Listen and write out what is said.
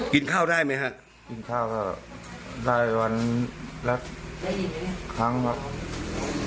กินข้าวได้ไหมฮะกินข้าวค่ะได้วันและครั้งนะครับ